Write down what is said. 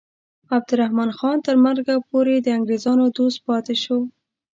عبدالرحمن خان تر مرګه پورې د انګریزانو دوست پاتې شو.